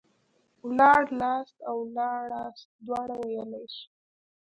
ولاړلاست او ولاړاست دواړه ويلاى سو.